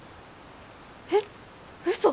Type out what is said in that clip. えっうそ！